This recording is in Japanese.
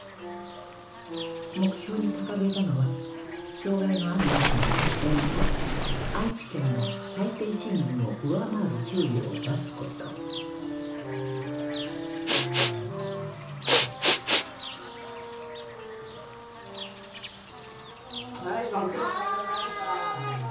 目標に掲げたのは障害のあるなしに関係なく愛知県の最低賃金を上回る給料を出すことはいご苦労さまでございました。